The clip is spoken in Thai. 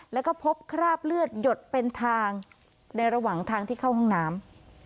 แล้วก็พบคราบเลือดหยดเป็นทางในระหว่างทางที่เข้าห้องน้ำ